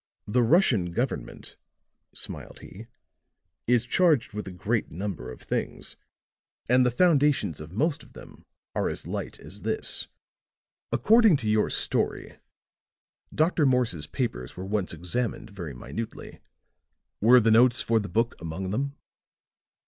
"The Russian government," smiled he, "is charged with a great number of things; and the foundations of most of them are as light as this. According to your story, Dr. Morse's papers were once examined very minutely. Were the notes for the book among them?"